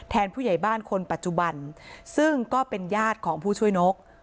ผู้ใหญ่บ้านคนปัจจุบันซึ่งก็เป็นญาติของผู้ช่วยนก